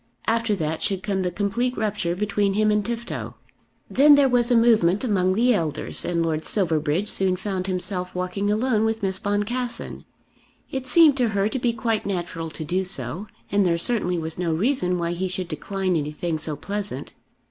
After that should come the complete rupture between him and Tifto. Then there was a movement among the elders, and Lord Silverbridge soon found himself walking alone with Miss Boncassen. It seemed to her to be quite natural to do so, and there certainly was no reason why he should decline anything so pleasant.